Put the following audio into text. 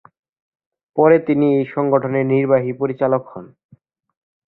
পরে, তিনি এই সংগঠনের নির্বাহী পরিচালক হন।